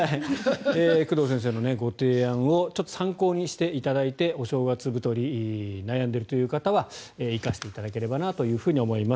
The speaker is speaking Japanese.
工藤先生のご提案を参考にしていただいてお正月太り悩んでいるという方は生かしていただければと思います。